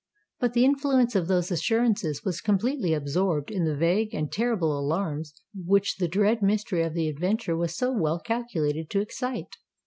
But the influence of those assurances was completely absorbed in the vague and terrible alarms which the dread mystery of the adventure was so well calculated to excite.